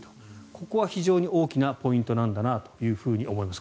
ここは非常に大きなポイントなんだなと思います。